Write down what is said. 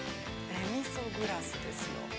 ◆デミソグラスですよ。